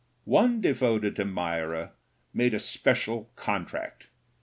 One devoted admirer made a special contract.